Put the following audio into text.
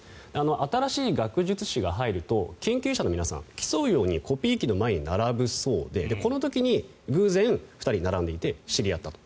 新しい学術誌が入ると研究者の皆さん競うようにコピー機の前に並ぶそうでこの時に偶然２人並んでいて知り合ったと。